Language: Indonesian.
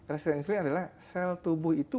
resisten insulin adalah sel tubuh itu